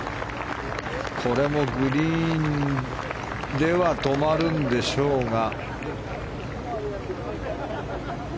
これもグリーンでは止まるんでしょうが。